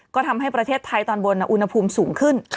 ก็ทำให้ประเทศไทยตอนบนอุณหภูมิสูงขึ้น